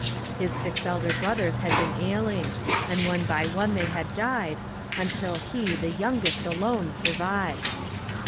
His six elder brothers had been ailing, and one by one they had died, until he, the youngest, alone survived.